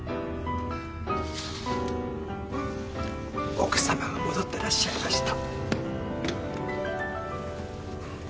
奥さまが戻ってらっしゃいました。